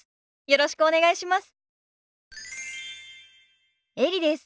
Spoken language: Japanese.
よろしくお願いします。